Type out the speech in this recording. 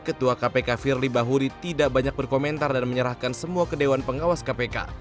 ketua kpk firly bahuri tidak banyak berkomentar dan menyerahkan semua ke dewan pengawas kpk